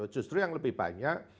justru yang lebih banyak